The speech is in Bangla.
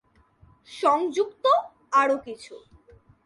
সংযুক্ত আরও কিছু